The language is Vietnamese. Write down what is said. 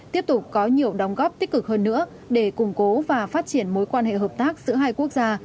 tiếp tục có nhiều đóng góp tích cực hơn nữa để củng cố và phát triển mối quan hệ hợp tác giữa hai quốc gia